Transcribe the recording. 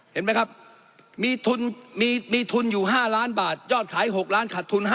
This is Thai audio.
เห็นมั้ยครับมีทุนอยู่๕ล้านบาทยอดขาย๖ล้านบาทขาดทุน